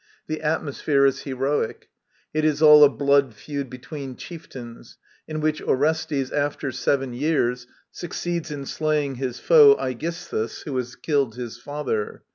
The atmosphere is heroic. It is all a blood feud between chieftains, in which Orestes, after seven years, succeeds in slaying his foe Aegisthus, who had killed his father.